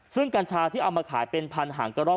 ซึ่งกัญชาที่เอามาขายเป็นพันหางกระรอก